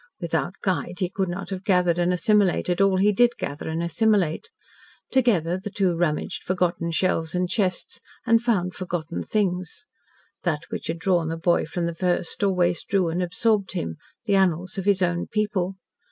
Without a guide he could not have gathered and assimilated all he did gather and assimilate. Together the two rummaged forgotten shelves and chests, and found forgotten things. That which had drawn the boy from the first always drew and absorbed him the annals of his own people.